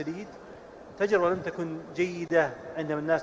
dengan kekuatan yang sangat menarik